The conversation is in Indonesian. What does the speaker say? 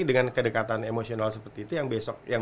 dengan kedekatan emosional seperti itu yang besok